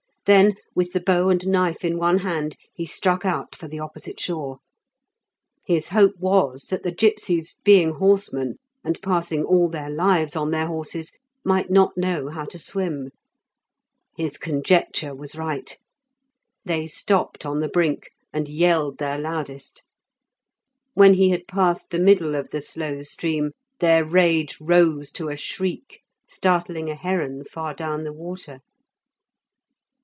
Then with the bow and knife in one hand he struck out for the opposite shore. His hope was that the gipsies, being horsemen, and passing all their lives on their horses, might not know how to swim. His conjecture was right; they stopped on the brink, and yelled their loudest. When he had passed the middle of the slow stream their rage rose to a shriek, startling a heron far down the water.